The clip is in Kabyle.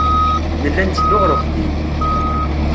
Nella netteddu ɣer uxeddim.